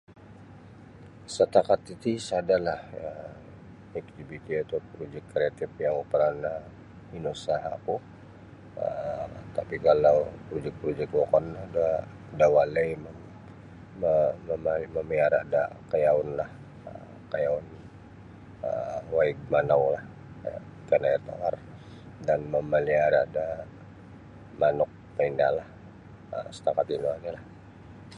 Satakat titi sada'lah um iktiviti atau projik kreatif yang paranah inusaha'ku um tapi kalau projik-projik wokon no da' da walai mamaliara' da kayaun kayaun waig manaulah ikan air tawar dan mamaliara' da manuk paindahlah um satakat ino oni'lah.